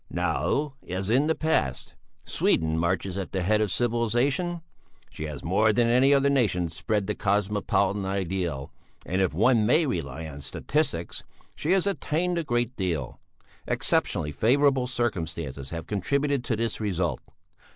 "Now, as in the past, Sweden marches at the head of civilization; she has more than any other nation spread the cosmopolitan ideal, and if one may rely on statistics, she has attained a great deal. Exceptionally favourable circumstances have contributed to this result.